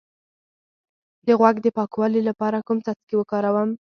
د غوږ د پاکوالي لپاره کوم څاڅکي وکاروم؟